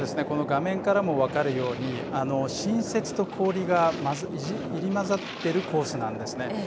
この画面からも分かるように新雪と氷が入り混ざっているコースなんですね。